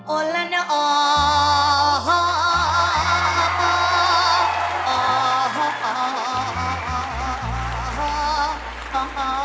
โอ้แล้วนี่อ้อฮ่าฮ่า